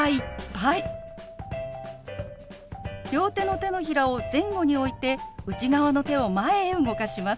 両手の手のひらを前後に置いて内側の手を前へ動かします。